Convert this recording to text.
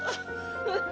kamu sudah ingat